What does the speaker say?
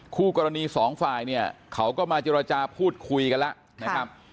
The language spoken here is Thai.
คู่กรณีสองฝ่ายเนี่ยเขาก็มาเจรจาพูดคุยกันแล้วนะครับ